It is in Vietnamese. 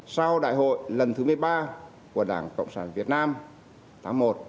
sau đại hội lần thứ một mươi ba của đảng cộng sản việt nam